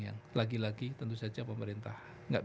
yang lagi lagi tentu saja pemerintah